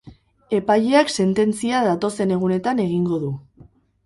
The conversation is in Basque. Epaileak sententzia datozen egunetan egingo du.